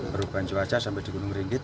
perubahan cuaca sampai di gunung ringgit